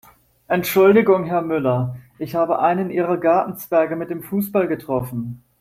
Entschuldigung Herr Müller, ich habe einen Ihrer Gartenzwerge mit dem Fußball getroffen.